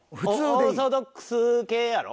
オーソドックス系やろ？